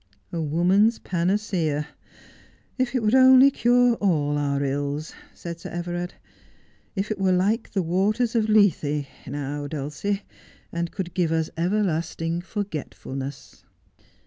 ' A woman's panacea. If it would only cure all our ills !' said Sir Everard. ' If it were like the water of Lethe, now, Dulcie, and could give us everlasting forgetfulness